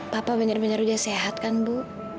papa bener bener udah sehat kan bu